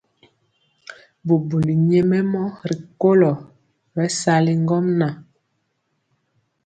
Bubuli nyɛmemɔ rikolo bɛsali ŋgomnaŋ.